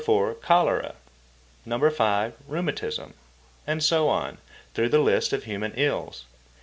4, cholera; No. 5, rheumatism; and so on, through the list of human ills.